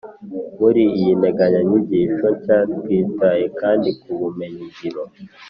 muri iyi nteganyanyigisho nshya twitaye kandi ku bumenyi ngiro